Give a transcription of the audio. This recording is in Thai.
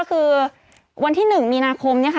คือวันที่๑มีนาคมเนี่ยค่ะ